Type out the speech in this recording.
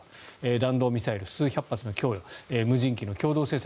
弾道ミサイル数百発の供与無人機の共同生産